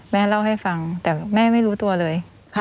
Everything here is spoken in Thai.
แม่เล่าให้ฟังแต่แม่ไม่รู้ตัวเลย